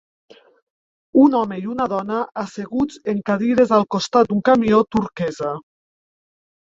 Un home i una dona asseguts en cadires al costat d'un camió turquesa.